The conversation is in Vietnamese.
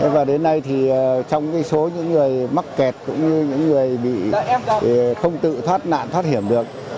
và đến nay thì trong số những người mắc kẹt cũng như những người bị không tự thoát nạn thoát hiểm được